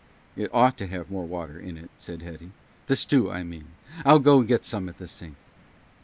"It ought to have more water in it," said Hetty; "the stew, I mean. I'll go get some at the sink."